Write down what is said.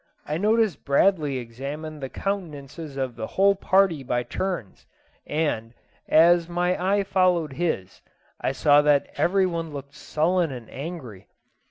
I noticed Bradley examined the countenances of the whole party by turns, and, as my eye followed his, I saw that every one looked sullen and angry.